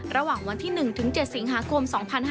ระหว่างวันที่๑๗สิงหาคม๒๕๕๙